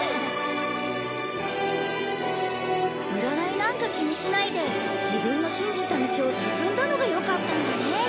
占いなんか気にしないで自分の信じた道を進んだのが良かったんだね。